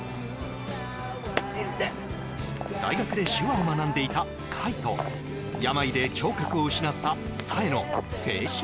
イテッ大学で手話を学んでいた櫂と病で聴覚を失った沙絵の青春